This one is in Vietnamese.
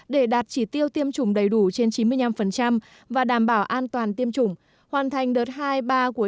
để đạt chỉ tiêu tiêm chủng đầy đủ trên chín mươi năm và đảm bảo an toàn tiêm chủng hoàn thành đợt hai ba của